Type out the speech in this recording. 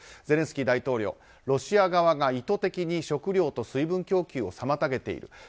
ゼレンスキー大統領ロシア側が意図的に食料と水分供給を妨げている。